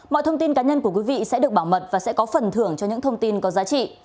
mọi thông tin cá nhân của quý vị sẽ được bảo mật và sẽ có phần thưởng cho những thông tin có giá trị